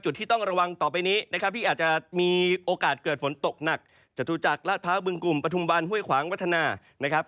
ที่ต้องระวังต่อไปนี้นะครับที่อาจจะมีโอกาสเกิดฝนตกหนักจตุจักรลาดพร้าวบึงกลุ่มปฐุมวันห้วยขวางวัฒนานะครับ